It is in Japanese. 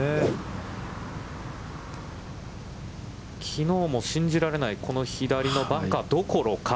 きのうも信じられない、この左のバンカーどころか。